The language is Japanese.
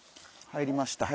入りましたよ。